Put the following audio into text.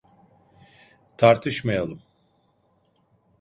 Tartışmayalım.